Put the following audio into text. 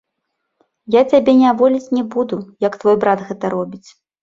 Я цябе няволіць не буду, як твой брат гэта робіць.